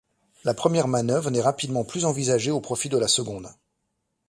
La première manœuvre n'est rapidement plus envisagée au profit de la seconde.